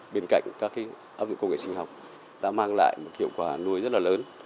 bên cạnh các áp dụng công nghệ sinh học đã mang lại một hiệu quả nuôi rất là lớn